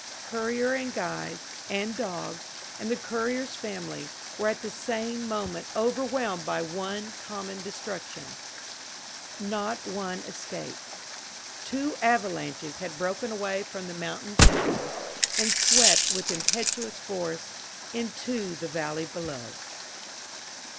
Courier, and guides, and dogs, and the courier's family, were at the same moment overwhelmed by one common destruction not one escaped. Two avalanches had broken away from the mountain pinnacles, and swept with impetuous force into the valley below.